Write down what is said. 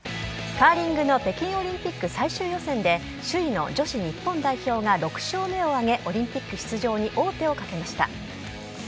カーリングの北京オリンピック最終予選で首位の女子日本代表が６勝目を挙げオリンピック出場に王手をかけました。